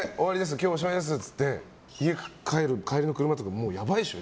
今日おしまいですって言って家帰る帰りの車とかやばいでしょ。